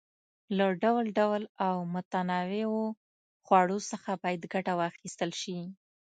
له ډول ډول او متنوعو خوړو څخه باید ګټه واخیستل شي.